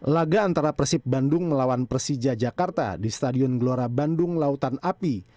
laga antara persib bandung melawan persija jakarta di stadion gelora bandung lautan api